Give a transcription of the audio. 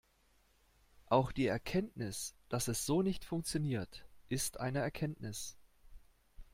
Auch die Erkenntnis, dass es so nicht funktioniert, ist eine Erkenntnis.